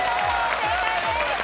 正解です。